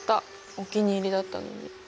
お気に入りだったのに。